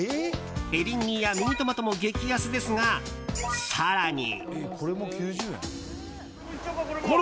エリンギやミニトマトも激安ですが、更に。